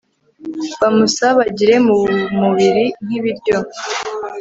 bumusabagire mu mubiri nk'ibiryo